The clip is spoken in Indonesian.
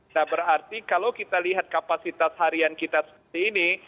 nah berarti kalau kita lihat kapasitas harian kita seperti ini